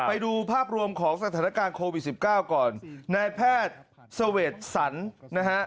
ไปดูภาพรวมของสถานการณ์โควิดสิบเก้าก่อนนายแพทย์เสวดสรรนะฮะ